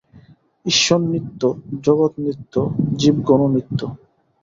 ঈশ্বর নিত্য, জগৎ নিত্য, জীবগণও নিত্য।